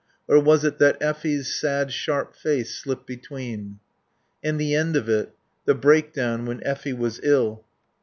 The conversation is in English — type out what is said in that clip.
Or was it that Effie's sad, sharp face slipped between? And the end of it. The break down, when Effie was ill.